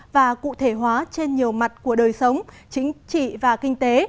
và cụ thể hóa trên nhiều mặt của đời sống chính trị và kinh tế